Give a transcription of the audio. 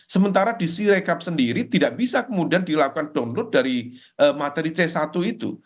sementara di sirekap sendiri tidak bisa kemudian dilakukan download dari materi c satu itu